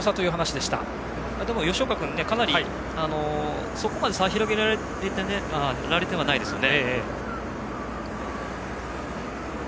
でも、吉岡君そこまで差は広げられていないですよね。